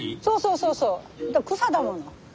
そうそうそうそう草だもの。